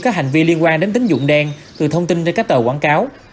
các hành vi liên quan đến tính dụng đen từ thông tin đến các tờ quảng cáo